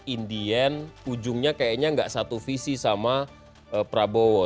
in the end ujungnya kayaknya gak satu visi sama prabowo